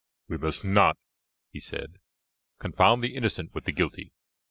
"We must not," he said, "confound the innocent with the guilty.